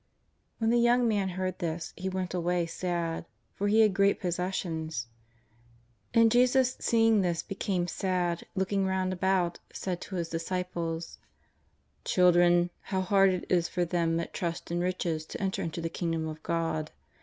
'' When the young man heard this he went away sad, for he had great possessions. And Jesus, seeing him become sad, looking round about, said to His disciples: " Children, how hard it is for them that trust in riches to enter into the Kingdom of God.